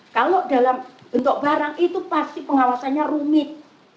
kalau dalam bentuk barang itu pasti pengawasannya rumit